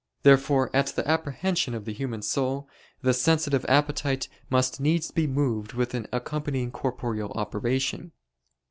Therefore at the apprehension of the human soul, the sensitive appetite must needs be moved with an accompanying corporeal operation.